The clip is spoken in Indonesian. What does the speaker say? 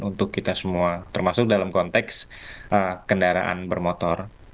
untuk kita semua termasuk dalam konteks kendaraan bermotor